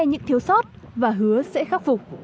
những thiếu sót và hứa sẽ khắc phục